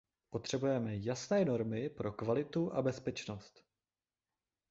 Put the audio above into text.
Potřebujeme jasné normy pro kvalitu a bezpečnost.